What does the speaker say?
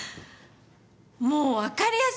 もう分かりやすすぎ。